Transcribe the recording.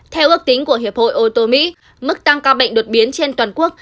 theo ước tính của hiệp hội ô tô mỹ mức tăng ca bệnh đột biến trên toàn quốc